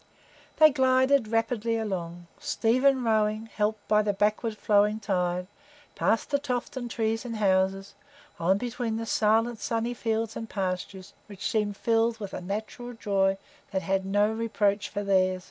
They glided rapidly along, Stephen rowing, helped by the backward flowing tide, past the Tofton trees and houses; on between the silent sunny fields and pastures, which seemed filled with a natural joy that had no reproach for theirs.